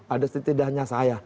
ada setidaknya saya